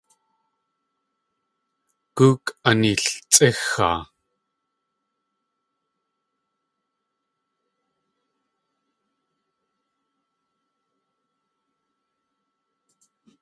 Góok aneeltsʼíxaa!